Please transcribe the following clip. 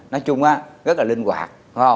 nói chung rất là linh hoạt